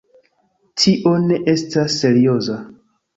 Tio ne estas serioza.